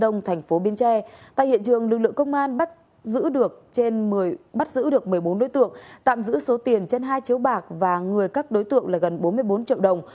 trong thành phố bến tre tại hiện trường lực lượng công an bắt giữ được một mươi bốn đối tượng tạm giữ số tiền trên hai chiếu bạc và người cắt đối tượng là gần bốn mươi bốn triệu đồng